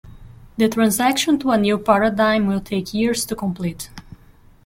The transaction to a new paradigm will take years to complete.